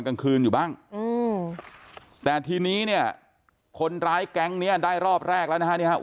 กลางคืนอยู่บ้างอืมแต่ทีนี้เนี่ยคนร้ายแก๊งเนี้ยได้รอบแรกแล้วนะฮะเนี่ยครับ